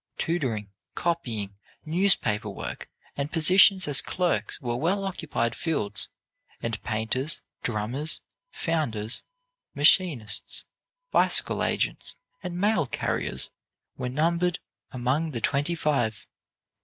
Tutoring, copying, newspaper work, and positions as clerks were well occupied fields; and painters, drummers, founders, machinists, bicycle agents, and mail carriers were numbered among the twenty five.